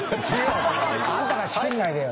あんたが仕切んないでよ。